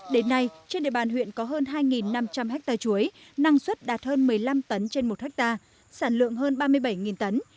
đến nay trên địa bàn huyện có hơn hai năm trăm linh ha chuối năng suất đạt hơn một mươi năm tấn trên một hectare sản lượng hơn ba mươi bảy tấn